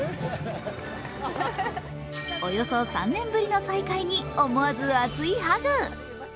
およそ３年ぶりの再会に思わず熱いハグ。